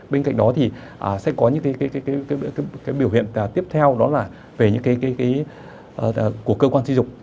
bên cạnh đó thì sẽ có những cái biểu hiện tiếp theo đó là về những cái của cơ quan sử dụng